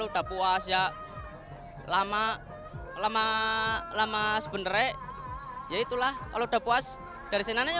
dalangnya harus disembuhkan gitu ya